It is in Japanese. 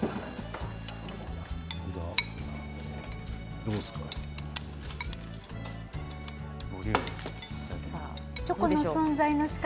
どうですか？